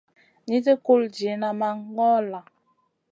Nizi kul diyna ma ŋola.